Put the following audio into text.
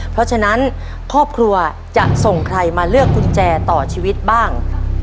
เพราะฉะนั้นครอบครัวจะส่งใครมาเลือกกุญแจต่อชีวิตบ้าง